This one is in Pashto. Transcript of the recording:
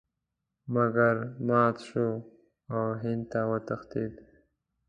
مګر مات شو او هند ته وتښتېد.